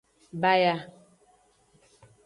Baya.